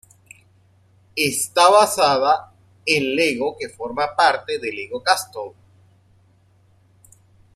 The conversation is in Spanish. Esta basada en Lego que forma parte de Lego Castle.